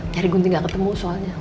cari gunting gak ketemu soalnya